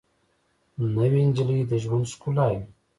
نوې نجلۍ د ژوند ښکلا وي